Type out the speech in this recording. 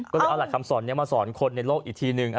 ก็เลยเอาหลักคำสอนนี้มาสอนคนในโลกอีกทีนึง